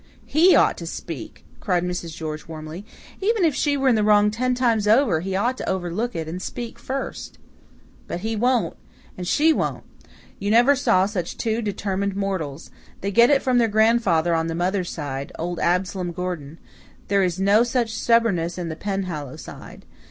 "HE ought to speak," cried Mrs. George warmly. "Even if she were in the wrong ten times over, he ought to overlook it and speak first." "But he won't. And she won't. You never saw two such determined mortals. They get it from their grandfather on the mother's side old Absalom Gordon. There is no such stubbornness on the Penhallow side.